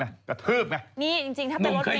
นี่จริงเท่าไหนนั่งพี่